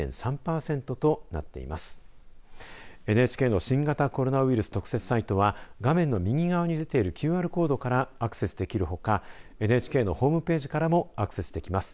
ＮＨＫの新型コロナウイルス特設サイトは画面の右側に出ているＱＲコードからアクセスできるほかＮＨＫのホームページからもアクセスできます。